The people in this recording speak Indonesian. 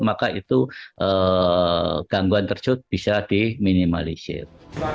maka itu gangguan terjut bisa diminimalisir